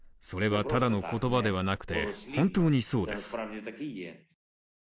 それはただの言葉ではなくて本当にそうです。